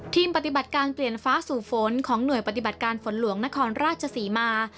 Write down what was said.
ปฏิบัติการเปลี่ยนฟ้าสู่ฝนของหน่วยปฏิบัติการฝนหลวงนครราชศรีมา